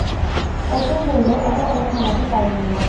অতীন বললে, ওকে পোষ মানাতে পারলুম না।